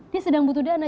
dia sedang butuh dana